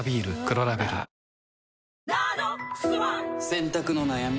ふん洗濯の悩み？